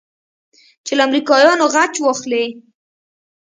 چې له امريکايانو غچ واخلې.